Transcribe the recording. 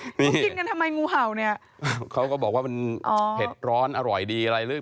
กินกันทำไมงูเห่าเนี่ยเขาก็บอกว่ามันเผ็ดร้อนอร่อยดีอะไรหรือ